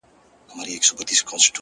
• ستا د ښار د ښایستونو په رنګ ـ رنګ یم؛